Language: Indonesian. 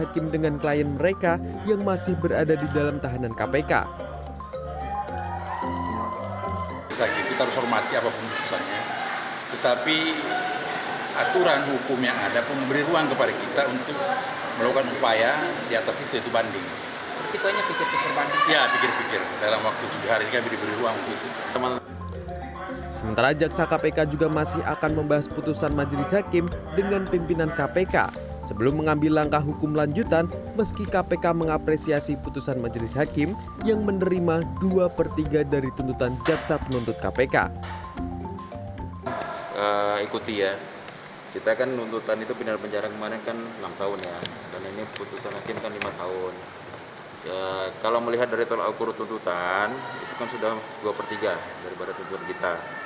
kalau melihat dari tolak ukur tuntutan itu kan sudah dua per tiga daripada tuntutan kita